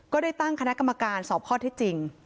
ก็ได้ตั้งคณะกรรมการสอบข้อที่จริง